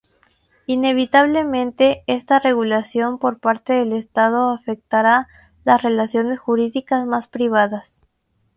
Inevitablemente, esta regulación por parte del Estado afectará las relaciones jurídicas más privadas.